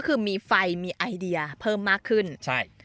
ก็คือมีไฟมีไอเดียเพิ่มมากขึ้นใช่